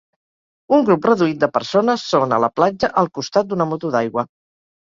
Un grup reduït de persones són a la platja al costat d'una moto d'aigua.